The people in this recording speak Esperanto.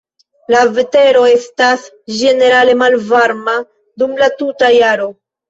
La vetero estas ĝenerale malvarma dum la tuta jaro.